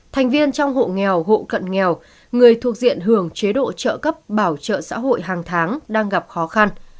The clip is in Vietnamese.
thành viên trong hộ nghèo hộ cận nghèo người thuộc diện hưởng chế độ trợ cấp bảo trợ xã hội hàng tháng đang gặp khó khăn